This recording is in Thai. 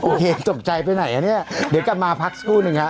โอเคจบใจไปไหนอ่ะเนี่ยเดี๋ยวกลับมาพักสักครู่หนึ่งฮะ